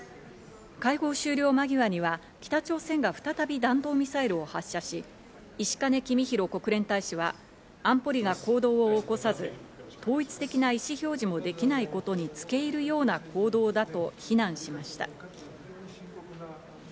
会合終了間際には北朝鮮が再び弾道ミサイルを発射し、石兼公博国連大使は安保理が行動を起こさず、統一的な意思表示もできないことにつけいるような行動だと非難しました。